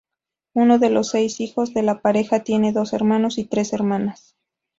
Uno de los seis hijos de la pareja, tiene dos hermanos y tres hermanas.